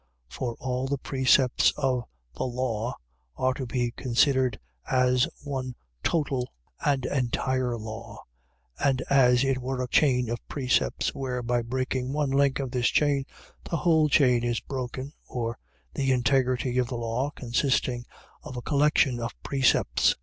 For all the precepts of the law are to be considered as one total and entire law, and as it were a chain of precepts, where, by breaking one link of this chain, the whole chain is broken, or the integrity of the law consisting of a collection of precepts.